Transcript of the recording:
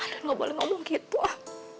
kalian gak boleh ngomong gitu ah